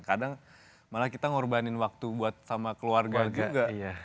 kadang malah kita ngorbanin waktu buat sama keluarga juga